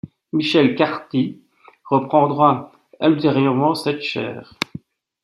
Michel Cartry reprendra ultérieurement cette chaire.